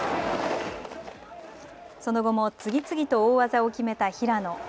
その後も次々と大技を決めた平野。